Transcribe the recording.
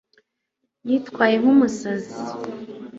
yitwaye nk'umusazi